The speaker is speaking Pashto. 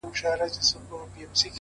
په وينو لژنده اغيار وچاته څه وركوي.